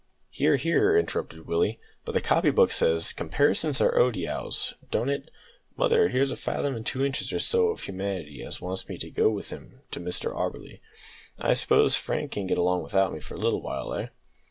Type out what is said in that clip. "Hear! hear!" interrupted Willie; "but the copy book says `Comparisons are odiows!' don't it? Mother, here's a fathom and two inches or so of humanity as wants me to go with him to Mr Auberly. I s'pose Frank can get along without me for a little while eh?"